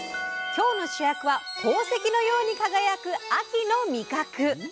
今日の主役は宝石のように輝く秋の味覚！